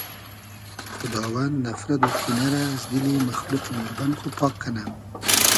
خوداوند نفرت و کینۂ رۂ از دیلی مئخلوقی نوربئن خو پاگ کئنۂ